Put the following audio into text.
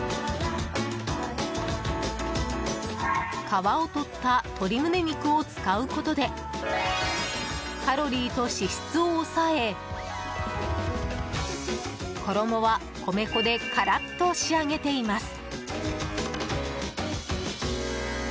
皮を取った鶏むね肉を使うことでカロリーと脂質を抑え衣は米粉でカラッと仕上げています。